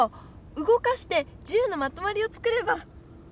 うごかして１０のまとまりを作れば。